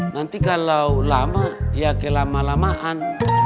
nanti kalau lama ya kelama lamaan